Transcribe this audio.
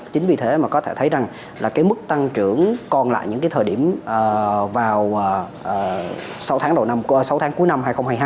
chính vì thế mà có thể thấy rằng là mức tăng trưởng còn lại những thời điểm vào sáu tháng cuối năm hai nghìn hai mươi hai